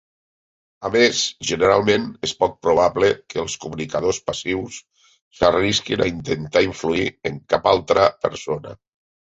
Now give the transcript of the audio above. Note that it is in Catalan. A més, generalment és poc probable que els comunicadors passius s'arrisquin a intentar influir en cap altra persona.